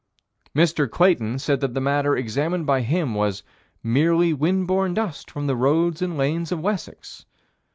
Mr. Clayton said that the matter examined by him was "merely wind borne dust from the roads and lanes of Wessex."